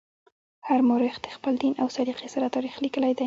هر مورخ د خپل دین او سلیقې سره تاریخ لیکلی دی.